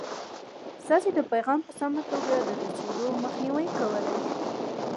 ستاسې د پیغام په سمه توګه د رسېدو مخنیوی کولای شي.